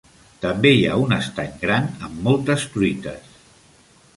També hi ha un estany gran amb moltes truites.